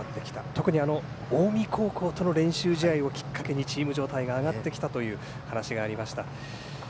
特に、近江高校との練習試合をきっかけにチーム状態が上がってきたという話がありました。